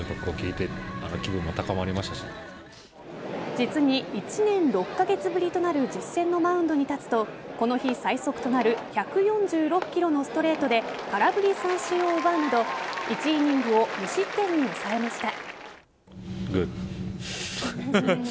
実に１年６カ月ぶりとなる実戦のマウンドに立つとこの日最速となる１４６キロのストレートで空振り三振を奪うなど１イニングを無失点に抑えました。